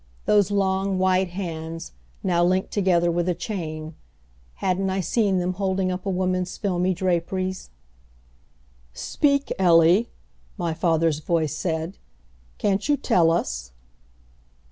Those long white hands, now linked together with a chain, hadn't I seen them holding up a woman's filmy draperies? "Speak, Ellie," my father's voice said. "Can't you tell us?"